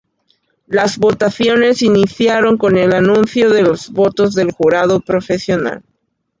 Las votaciones iniciaron con el anuncio de los votos del jurado profesional.